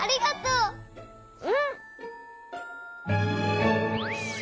うん！